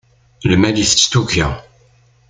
Lmal yettett tuga.